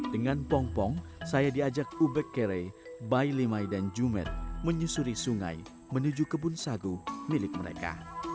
dengan pong pong saya diajak ubek kere bayi limai dan jumet menyusuri sungai menuju kebun sagu milik mereka